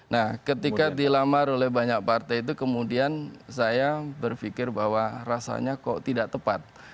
nah ketika dilamar oleh banyak partai itu kemudian saya berpikir bahwa rasanya kok tidak tepat